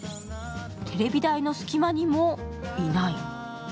テレビ台の隙間にもいない。